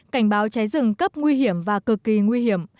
cảnh báo cháy rừng cấp nguy hiểm và cực kỳ nguy hiểm